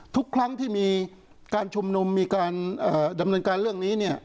ทุกครั้งที่มีการชุมนุมมีการดำเนินการเรื่องนี้